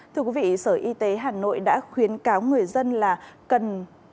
thưa quý vị sở y tế hà nội đã khuyến cáo người dân là cần